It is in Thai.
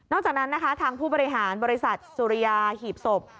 จากนั้นนะคะทางผู้บริหารบริษัทสุริยาหีบศพ